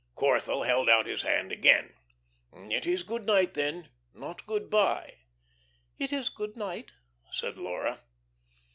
Corthell held out his hand again. "It is good night, then, not good by." "It is good night," said Laura.